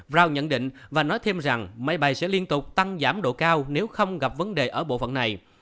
row nhận định và nói thêm rằng máy bay sẽ liên tục tăng giảm độ cao nếu không gặp vấn đề ở bộ phận này